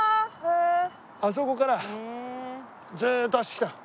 あそこからずっと走ってきた。